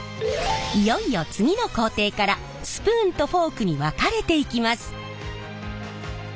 いよいよ次の工程からスプーンとフォークに分かれていきます。